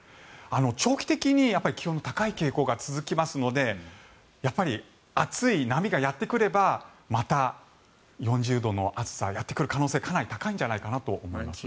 長期的に気温の高い傾向が続きますのでやっぱり暑い波がやってくればまた４０度の暑さがやってくる可能性はかなり高いんじゃないかなと思います。